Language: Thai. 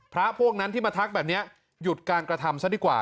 พระพวกนั้นที่มาทักแบบนี้หยุดการกระทำซะดีกว่า